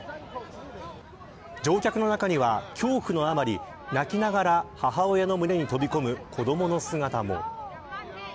乗客の中には、恐怖のあまり泣きながら母親の胸に飛び込む子どもの姿も。